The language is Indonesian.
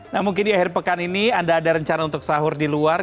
nah mungkin di akhir pekan ini anda ada rencana untuk sahur di luar